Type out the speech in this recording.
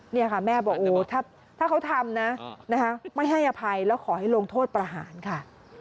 นี่ค่ะแม่บอกถ้าเขาทำนะ